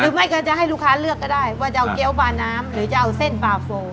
ไม่ก็จะให้ลูกค้าเลือกก็ได้ว่าจะเอาเกี้ยวปลาน้ำหรือจะเอาเส้นบาโฟ